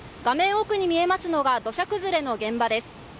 奥に見えますのが土砂崩れの現場です。